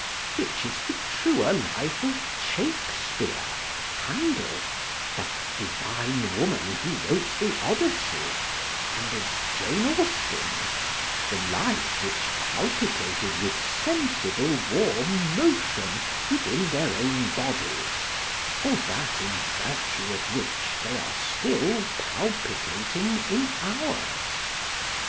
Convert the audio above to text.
Which is the truer life of Shakespeare, Handel, that divine woman who wrote the "Odyssey," and of Jane Austen the life which palpitated with sensible warm motion within their own bodies, or that in virtue of which they are still palpitating in ours?